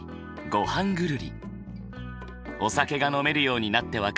「ごはんぐるり」。